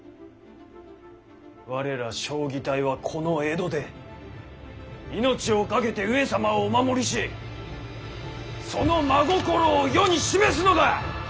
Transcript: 我ら彰義隊はこの江戸で命をかけて上様をお守りしその真心を世に示すのだ！